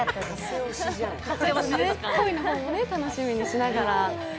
恋の方も楽しみにしながら。